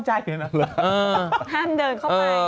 ห้ามเดินเข้าไป